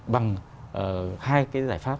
bằng hai cái giải pháp